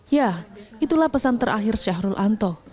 ya itulah pesan terakhir syahrul anto